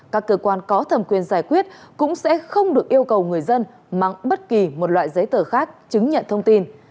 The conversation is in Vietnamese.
các cơ quan có thẩm quyền giải quyết cũng sẽ không được yêu cầu người dân mang bất kỳ một loại giấy tờ khác chứng nhận thông tin